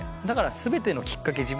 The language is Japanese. だから全てのきっかけ。